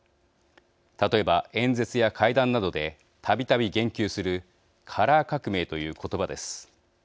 例えば、演説や会談などでたびたび言及するカラー革命という言葉です。